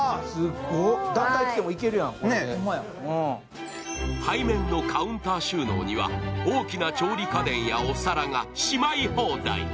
団体来てもいけるやん、これ背面のカウンター収納には大きな調理家電やお皿がしまい放題。